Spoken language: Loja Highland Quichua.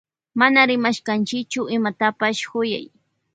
Mana rimashkanchichu imatapash kuyay.